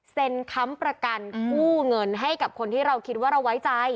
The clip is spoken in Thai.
ค้ำประกันกู้เงินให้กับคนที่เราคิดว่าเราไว้ใจ